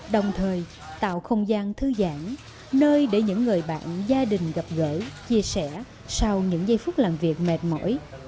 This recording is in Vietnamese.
đồng thời tạo không gian thư giãn nơi để những người bạn gia đình gặp gỡ chia sẻ sau những giây phút làm việc mệt mỏi